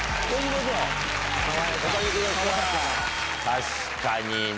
確かにね。